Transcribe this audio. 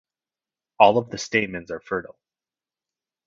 All of the stamens are fertile.